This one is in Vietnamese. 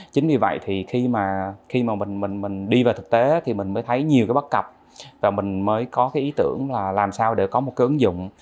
chính vì vậy thì khi mà mình đi vào thực tế thì mình mới thấy nhiều cái bắt cặp và mình mới có cái ý tưởng là làm sao để có một cái ứng dụng